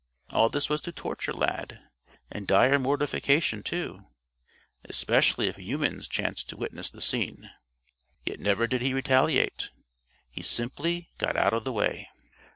All this was torture to Lad, and dire mortification too especially if humans chanced to witness the scene. Yet never did he retaliate; he simply got out of the way.